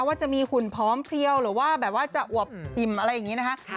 ว่าจะมีหุ่นพร้อมเพลียวหรือว่าแบบว่าจะอวบอิ่มอะไรอย่างนี้นะคะ